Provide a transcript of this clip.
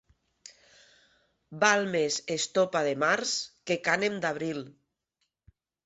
Val més estopa de març que cànem d'abril.